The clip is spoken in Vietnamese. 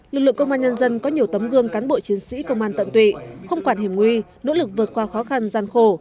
lực lượng công an nhân dân có nhiều tấm gương cán bộ chiến sĩ công an tận tụy không quản hiểm nguy nỗ lực vượt qua khó khăn gian khổ